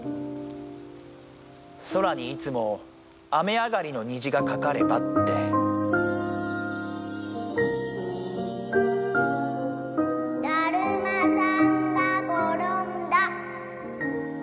空にいつも雨上がりの虹がかかればってだるまさんがころんだ！